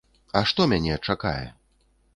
А што мяне чакае?